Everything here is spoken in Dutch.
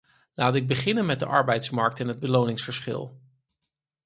Laat ik beginnen met de arbeidsmarkt en het beloningsverschil.